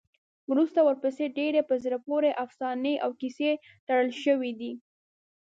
وروسته ورپسې ډېرې په زړه پورې افسانې او کیسې تړل شوي دي.